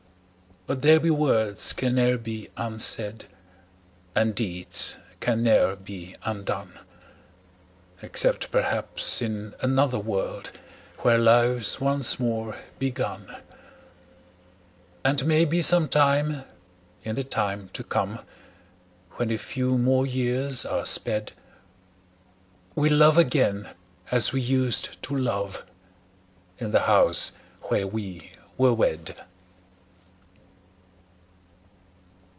But there be words can ne'er be unsaid, And deeds can ne'er be undone, Except perhaps in another world, Where life's once more begun. And maybe some time in the time to come, When a few more years are sped, We'll love again as we used to love, In the house where we were wed.